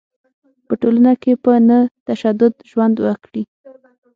په ټولنه کې په نه تشدد ژوند وکړي.